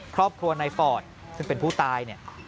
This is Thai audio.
ครอบครัวในฟอร์ตซึ่งเป็นผู้ตาย